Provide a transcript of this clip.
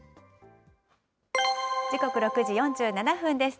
時刻６時４７分です。